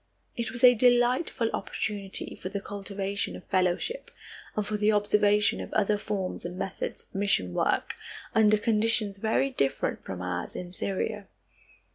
It was a delightful opportunity for the cultivation of fellowship, and for the observation of other forms and methods of mission work, under conditions very different from ours in Syria.